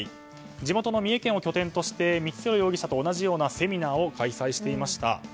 地元の三重県を拠点として光弘容疑者と同じようなセミナー開催していました。